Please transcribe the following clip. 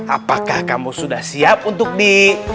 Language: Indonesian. apakah kamu sudah siap untuk di